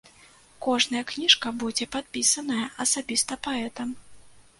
Кожная кніжка будзе падпісаная асабіста паэтам.